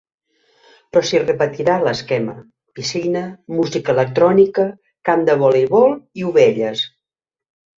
Però s’hi repetirà l’esquema: piscina, música electrònica, camp de voleibol i ovelles.